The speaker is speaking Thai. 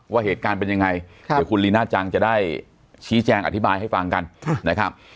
ว่าเหตุการณ์เป็นยังไงเดี๋ยวคุณลีน่าจังจะได้ชี้แจงอธิบายให้ฟังกันนะครับ